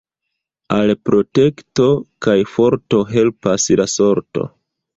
Al protekto kaj forto helpas la sorto.